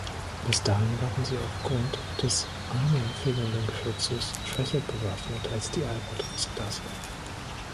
Bis dahin waren sie aufgrund des einen fehlenden Geschützes schwächer bewaffnet als die "Albatros"-Klasse.